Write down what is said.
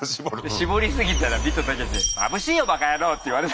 絞りすぎたらビトタケシに「まぶしいよばか野郎！」って言われ。